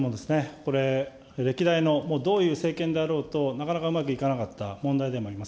これ、歴代の、どういう政権であろうと、なかなかうまくいかなかった問題でもあります。